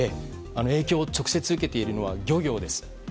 影響、直接受けているのは漁業です。